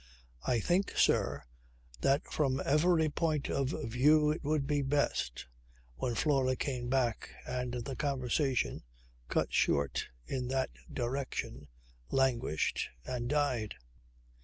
"I think, sir, that from every point of view it would be best," when Flora came back and the conversation, cut short in that direction, languished and died.